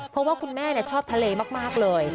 เพราะว่าคุณแม่ชอบทะเลมากเลย